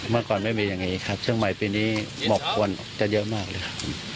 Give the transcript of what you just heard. เมื่อก่อนไม่มีอย่างนี้ครับเชียงใหม่ปีนี้เหมาะควรจะเยอะมากเลยครับ